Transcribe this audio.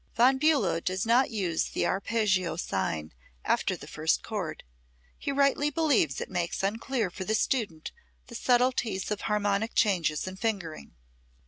Von Bulow does not use the arpeggio sign after the first chord. He rightly believes it makes unclear for the student the subtleties of harmonic changes and fingering.